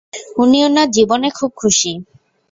ওনি ওনার জীবনে খুব খুশি।